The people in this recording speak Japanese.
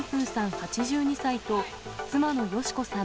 ８２歳と、妻の淑子さん